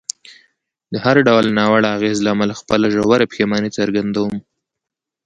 د هر ډول ناوړه اغېز له امله خپله ژوره پښیماني څرګندوم.